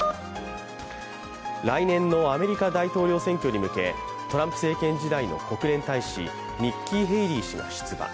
来年のアメリカ大統領選挙に向け、トランプ政権時代の国連大使ニッキー・ヘイリー氏が出馬。